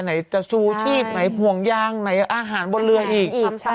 ไหนจะชูชีพไหนห่วงยางไหนอาหารบนเรืออีก